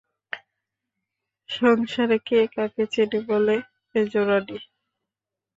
সংসারে কে কাকে চেনে বলো মেজোরানী।